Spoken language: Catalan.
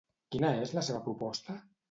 Quina és la seva proposta?